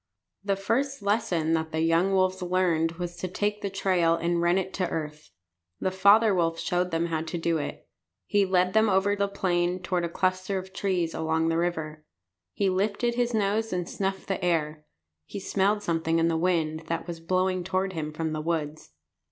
The first lesson that the young wolves learned was to take the trail and run it to earth. The father wolf showed them how to do it. He led them over the plain toward a cluster of trees along the river. He lifted his nose and snuffed the air. He smelled something in the wind that was blowing toward him from the woods.